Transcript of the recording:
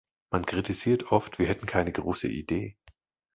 Man kritisiert oft, wir hätten keine große Idee.